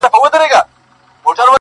وروسته وار سو د قاضى د وزيرانو-